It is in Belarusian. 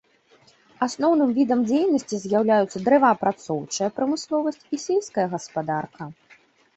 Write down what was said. Асноўным відам дзейнасці з'яўляюцца дрэваапрацоўчая прамысловасць і сельская гаспадарка.